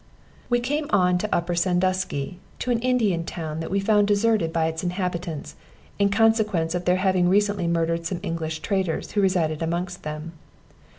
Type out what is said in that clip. We came on to Upper Sandusky, to an Indian town that we found deserted by its inhabitants, in consequence of their having recently murdered some English traders, who resided amongst them.